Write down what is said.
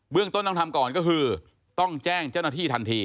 เรื่องต้นต้องทำก่อนก็คือต้องแจ้งเจ้าหน้าที่ทันที